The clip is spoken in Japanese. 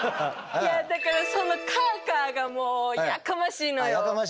だからその「カァカァ」がもうやかましいのよ。